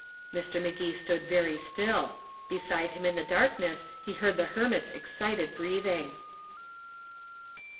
Mr. Magee stood very still. Beside him in the darkness he heard the hermit's excited breathing.